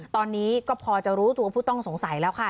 ตอนนี้ก็พอจะรู้ตัวผู้ต้องสงสัยแล้วค่ะ